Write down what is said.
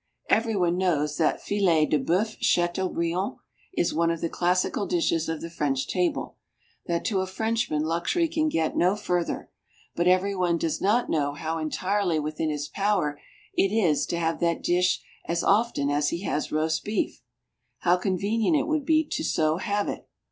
Every one knows that "Filet de bœuf Chateaubriand" is one of the classical dishes of the French table, that to a Frenchman luxury can go no further; but every one does not know how entirely within his power it is to have that dish as often as he has roast beef; how convenient it would be to so have it.